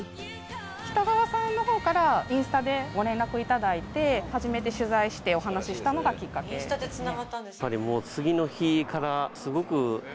北川さんの方からインスタでご連絡を頂いて初めて取材してお話ししたのがきっかけですね。